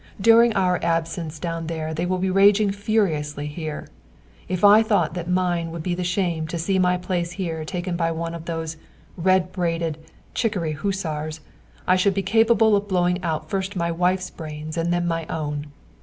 During our absence down there they will be raging furiously here. If I thought that mine would be the shame to see my place here taken by one of those red braided, chicory hussars, I should be capable of blowing out first my wife's brains and then my own.